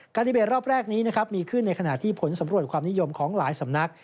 ดีเบตรอบแรกนี้นะครับมีขึ้นในขณะที่ผลสำรวจความนิยมของหลายสำนัก